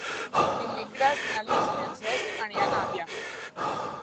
Dimecres na Lis i en Cesc aniran a Avià.